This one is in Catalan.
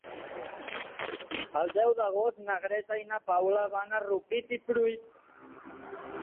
El deu d'agost na Greta i na Paula van a Rupit i Pruit.